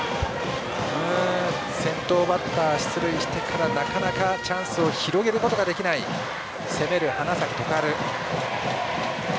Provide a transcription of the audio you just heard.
先頭バッター出塁してからなかなかチャンスを広げることができない攻める花咲徳栄。